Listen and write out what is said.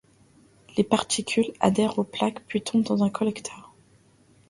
Les particules adhèrent aux plaques puis tombent dans un collecteur.